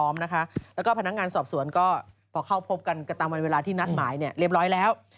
มันเวลาที่นัดหมายเรียบร้อยแล้ว